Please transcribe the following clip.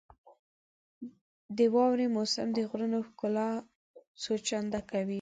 • د واورې موسم د غرونو ښکلا څو چنده کوي.